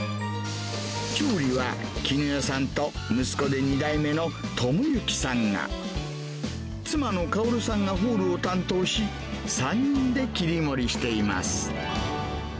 調理は絹代さんと息子で２代目の智之さんが、妻のカヲルさんがホールを担当し、３人で切り盛りしています。